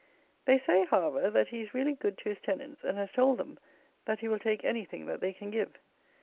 They say, however, that he is really good to his tenants, and has told them, that he will take anything that they can give.